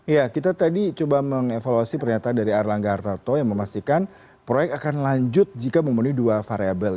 ya kita tadi coba mengevaluasi pernyataan dari erlangga hartarto yang memastikan proyek akan lanjut jika memenuhi dua variable